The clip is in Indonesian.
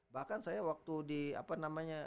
bahkan saya waktu di apa namanya